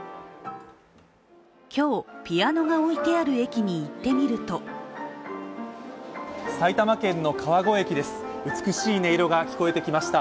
今日、ピアノが置いてある駅に行ってみると埼玉県の川越駅です、美しい音色が聞こえてきました。